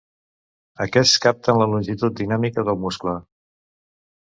Aquests capten la longitud dinàmica del muscle.